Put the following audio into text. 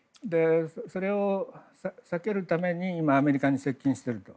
それを避けるために今、アメリカに接近していると。